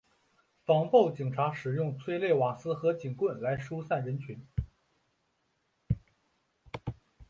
防暴警察使用催泪瓦斯和警棍来疏散人群。